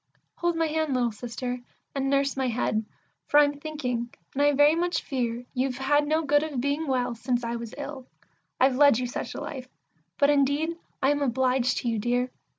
Hold my hand, little Sister, and nurse my head, for I'm thinking, and I very much fear You've had no good of being well since I was ill; I've led you such a life; but indeed I am obliged to you, dear!